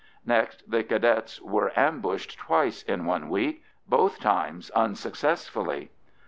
Next the Cadets were ambushed twice in one week, both times unsuccessfully.